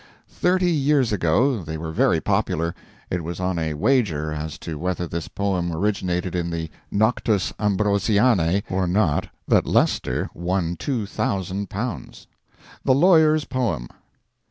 Thirty years ago they were very popular. It was on a wager as to whether this poem originated in the "Noctes Ambrosianae" or not that Leicester won two thousand pounds: THE LAWYER'S POEM.